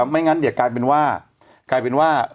ไม่งั้นเดี๋ยวกลายเป็นว่า